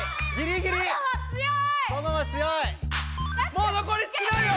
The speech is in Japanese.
もうのこり少ないよ！